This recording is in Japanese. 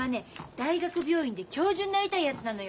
大学病院で教授になりたいやつなのよ。